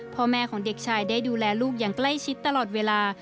พ่อแม่ของเด็กชายได้ดูแลลูกอย่างใกล้ชิดตลอดเวลา